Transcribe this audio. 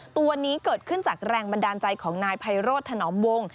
ตัวนี้เกิดขึ้นจากแรงบันดาลใจของนายไพโรธถนอมวง